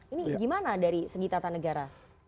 ini gimana dari segitatan negara